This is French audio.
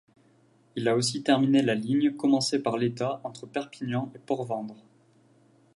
Il a aussi terminé la ligne commencée par l'État entre Perpignan et Port-Vendres.